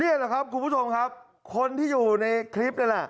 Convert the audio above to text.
นี่แหละครับคุณผู้ชมครับคนที่อยู่ในคลิปนั่นแหละ